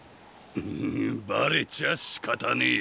ヌググバレちゃしかたねえ。